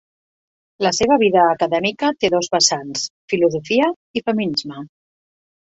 La seva vida acadèmica té dos vessants, filosofia i feminisme.